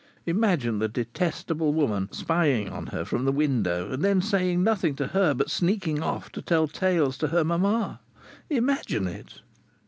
Imagine the detestable woman spying on her from the window, and then saying nothing to her, but sneaking off to tell tales to her mamma! Imagine it!